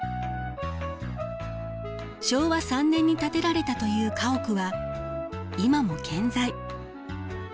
昭和３年に建てられたという家屋は今も健在。